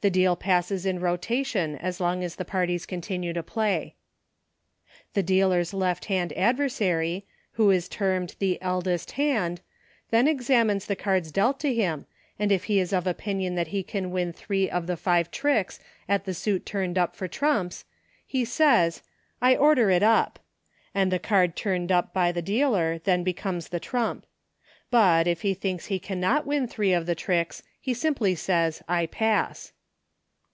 The deal passes in rotation as long as the parties continue to play. The dealer's left hand adversary, who is termed the eldest hand, then examines the cards dealt to him, and if he is of opinion that he can win three of the five tricks at the suit turned up for trumps, he says, "I order it up," and the card turned up by the MODE OF PLAYING. 37 dealer then becomes the trump. But, if he thinks he cannot win three of the tricks, he simply says, " I pass."